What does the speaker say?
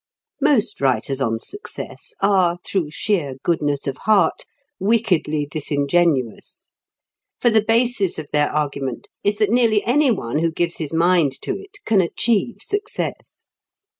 Most writers on success are, through sheer goodness of heart, wickedly disingenuous. For the basis of their argument is that nearly any one who gives his mind to it can achieve success.